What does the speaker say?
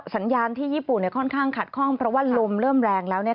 สัญญาณที่ญี่ปุ่นค่อนข้างขัดคล่องเพราะว่าลมเริ่มแรงแล้ว